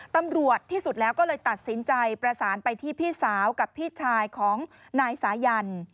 ตำรวจที่สุดแล้วก็เลยตัดสินใจประสานไปที่พี่สาวกับพี่ชายของนายสายัน